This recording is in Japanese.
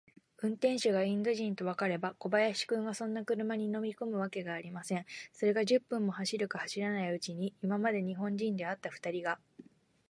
運転手がインド人とわかれば、小林君がそんな車に乗りこむわけがありません。それが、十分も走るか走らないうちに、今まで日本人であったふたりが、